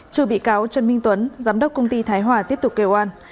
trừ bị cáo trần minh tuấn giám đốc công ty thái hòa tiếp tục kêu an